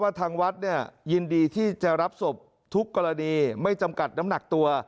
เพราะว่าทางวัดยินดีที่จะรับศพทุกกรณีไม่จำกัดน้ำหนักตัว